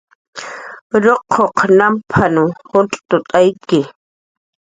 "Ruquq namp'anh juncx't""apayki"